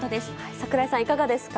櫻井さん、いかがですか？